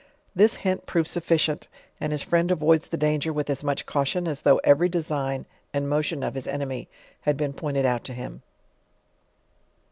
This hint proves sufficient; and his friend avoids the danger with as much caution, as though every design and motion of his enemy had been pointed out to him.